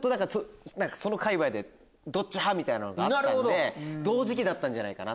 そのかいわいでどっち派？みたいなのがあったんで同時期だったんじゃないかな。